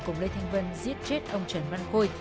cùng lê thanh vân giết chết ông trần văn khôi